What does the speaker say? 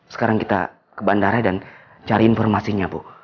sekarang kita ke bandara dan cari informasinya bu